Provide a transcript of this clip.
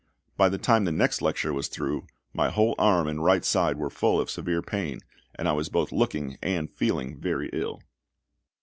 By the time the next lecture was through, my whole arm and right side were full of severe pain, and I was both looking and feeling very ill.